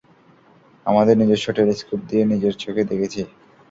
আমাদের নিজস্ব টেলিস্কোপ দিয়ে নিজের চোখে দেখেছি!